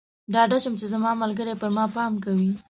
ډاډه شم چې زما ملګری پر ما پام کوي.